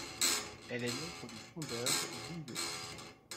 Elle est l'œuvre du fondeur Gouyot.